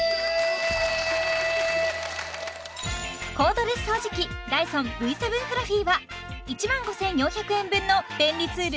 コードレス掃除機ダイソンＶ７フラフィは１万５４００円分の便利ツール